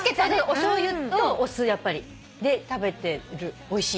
おしょうゆとお酢やっぱり。で食べてるおいしい。